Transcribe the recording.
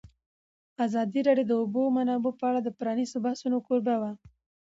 ازادي راډیو د د اوبو منابع په اړه د پرانیستو بحثونو کوربه وه.